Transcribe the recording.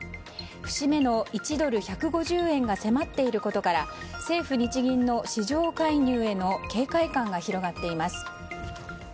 節目の１ドル＝１５０円が迫っていることから政府・日銀の市場介入への警戒感が広がっています。